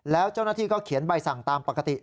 แล้วเจ้าหน้าที่ก็เขียนใบสั่งตามปกติ